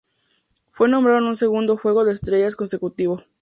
Fue nombrado en su segundo juego de estrellas consecutivo.